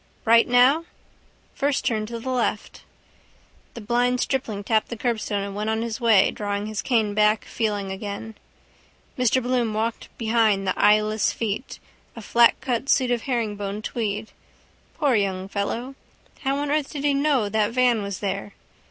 —Right now? First turn to the left. The blind stripling tapped the curbstone and went on his way, drawing his cane back, feeling again. Mr Bloom walked behind the eyeless feet, a flatcut suit of herringbone tweed. Poor young fellow! How on earth did he know that van was there?